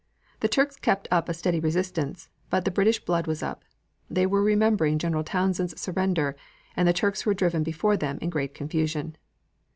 The Turks kept up a steady resistance, but the British blood was up. They were remembering General Townshend's surrender, and the Turks were driven before them in great confusion.